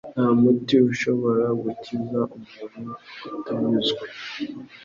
Nta muti ushobora gukiza umuntu utanyuzwe.